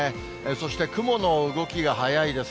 そして、雲の動きが速いです。